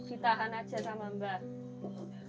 ditahan aja sama mbah